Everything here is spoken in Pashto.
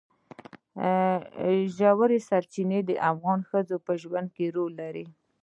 ژورې سرچینې د افغان ښځو په ژوند کې رول لري.